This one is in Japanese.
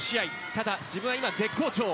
ただ自分は今、絶好調。